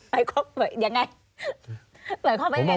ไปเข้าไปยังไง